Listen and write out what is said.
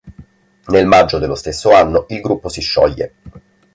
Nel maggio dello stesso anno il gruppo si scioglie.